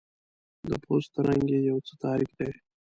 د پوست رنګ یې یو څه تاریک دی.